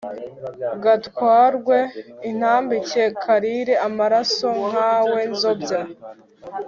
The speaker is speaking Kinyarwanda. gatwarwe intambike; karire amaraso; kanywe nzobya;